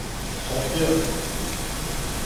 Шокиран сам.